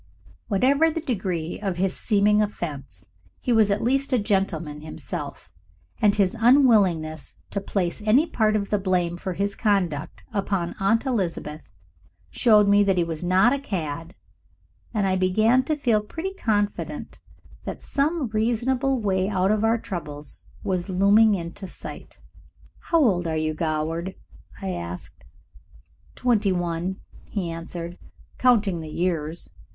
Whatever the degree of his seeming offence, he was at least a gentleman himself, and his unwillingness to place any part of the blame for his conduct upon Aunt Elizabeth showed me that he was not a cad, and I began to feel pretty confident that some reasonable way out of our troubles was looming into sight. "How old are you, Goward?" I asked. "Twenty one," he answered, "counting the years.